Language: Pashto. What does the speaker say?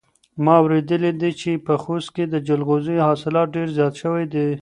ما اورېدلي دي چې په خوست کې د جلغوزیو حاصلات ډېر زیات شوي دي.